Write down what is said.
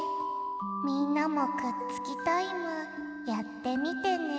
みんなもくっつきタイムやってみてね。